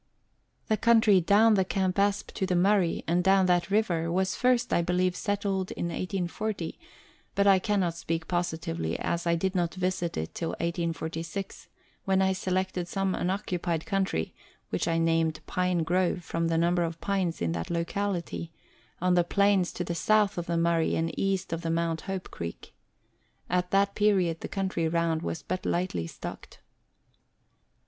The country down the Campaspe to the Murray, and down that river, was first, I believe, settled in 1840, but I cannot speak positively, as I did not visit it till 1846, when I selected some unoccupied country (which I named Pine Grove, from the number of pines in that locality), on the plains to the south of the Murray and east of the Mount Hope Creek. At that period the country round was but lightly stocked.